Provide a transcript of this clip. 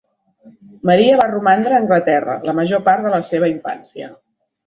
Maria va romandre a Anglaterra la major part de la seva infància.